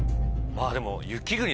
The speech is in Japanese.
まぁでも。